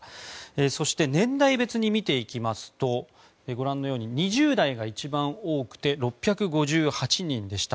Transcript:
そして、年代別に見ていきますとご覧のように２０代が一番多くて６５８人でした。